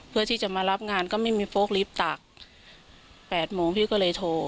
เพื่อที่จะมารับงานก็ไม่มีโฟล์ลิฟต์ตัก๘โมงพี่ก็เลยโทร